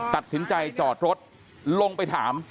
ตัดสินใจจอดรถลงไปถาม